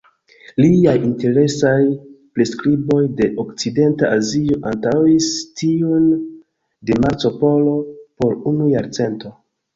Liaj interesaj priskriboj de okcidenta Azio antaŭis tiujn de Marco Polo por unu jarcento.